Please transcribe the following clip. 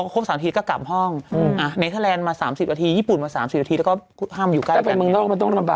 ก็ต้องไปอะแม่นุ่มครับผมนะครับ